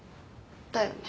だよね。